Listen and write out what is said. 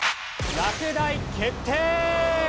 落第決定！